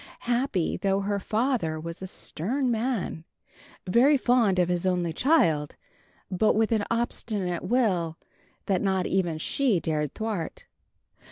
Happy, though her father was a stern man, very fond of his only child, but with an obstinate will that not even she dared thwart.